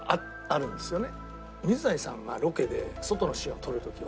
水谷さんがロケで外のシーンを撮る時は。